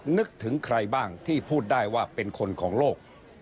นึกถึงใครบ้างที่พูดได้ว่าเป็นคนของโลก